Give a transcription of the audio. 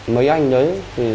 mấy anh đấy